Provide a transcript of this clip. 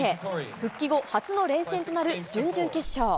復帰後初の連戦となる準々決勝。